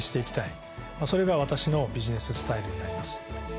それが私のビジネススタイルになります。